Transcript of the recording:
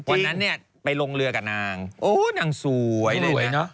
วันนั้นไปลงเรือกับนางนางสวยเลยนะ